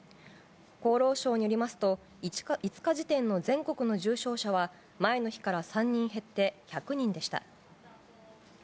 厚労省によりますと５日時点の全国の重症者は前の日から３人減って１００人でした。